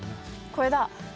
これだ！